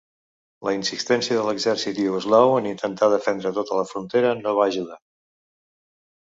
La insistència de l'exèrcit iugoslau en intentar defendre tota la frontera no va ajudar.